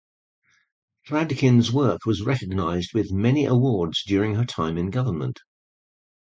Fradkin’s work was recognized with many awards during her time in government.